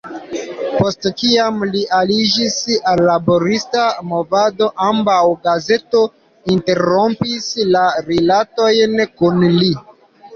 Post kiam li aliĝis al laborista movado, ambaŭ gazeto interrompis la rilatojn kun li.